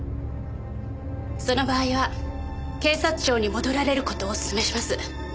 その場合は警察庁に戻られる事をお勧めします。